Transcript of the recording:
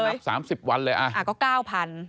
นับ๓๐วันเลยอะก็๙๐๐๐บาท